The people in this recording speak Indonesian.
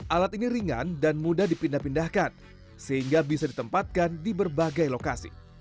alat ini ringan dan mudah dipindah pindahkan sehingga bisa ditempatkan di berbagai lokasi